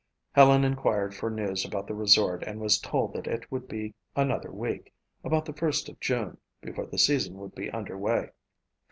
Helen inquired for news about the resort and was told that it would be another week, about the first of June, before the season would be under way.